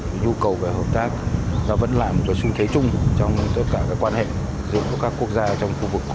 cái nhu cầu về hợp tác nó vẫn làm một cái xu thế chung trong tất cả các quan hệ giữa các quốc gia trong khu vực